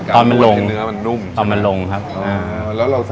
เป็นการนวดเนื้ออาจมันนุ่ม